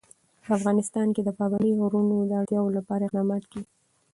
په افغانستان کې د پابندي غرونو د اړتیاوو لپاره اقدامات کېږي.